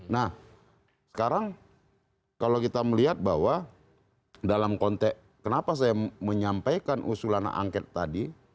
nah sekarang kalau kita melihat bahwa dalam konteks kenapa saya menyampaikan usulan angket tadi